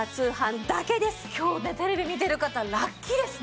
今日ねテレビ見てる方ラッキーですね。